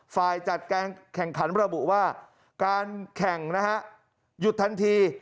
ฝ่ายจัดการแข่งขันระบุว่าการแข่งนะฮะหยุดทันที